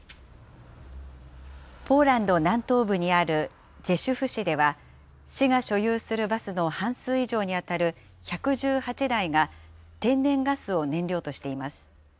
ポーランド南東部にあるジェシュフ市では、市が所有するバスの半数以上に当たる１１８台が天然ガスを燃料としています。